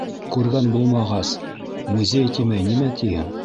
— Күргән булмағас, «музей» тимәй, нимә тиһең?